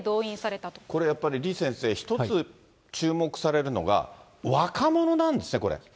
これやっぱり李先生、一つ注目されるのが、若者なんですね、これ。